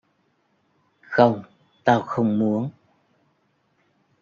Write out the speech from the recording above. Không Tao không muốn